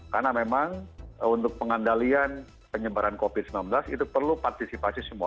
karena memang untuk pengandalian penyebaran covid sembilan belas itu perlu partisipasi semua